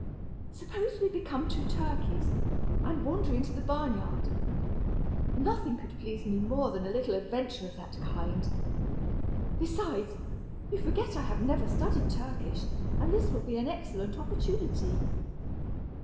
Suppose we become two turkeys, and wander into the barn yard. Nothing could please me more than a little adventure of that kind. Besides, you forget I have never studied Turkish, and this will be an excellent opportunity."